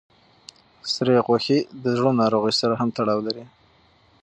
سرې غوښې د زړه ناروغۍ سره هم تړاو لري.